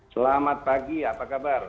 selamat pagi apa kabar